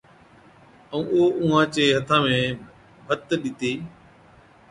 ائُون او اُونھان چي ھٿان ۾ ڀَتَ ڏِتِي